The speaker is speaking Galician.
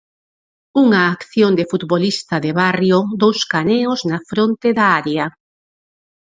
Unha acción de futbolista de barrio, dous caneos na fronte da área.